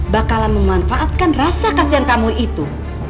bakalan memanfaatkan rasa kasihan kamu itu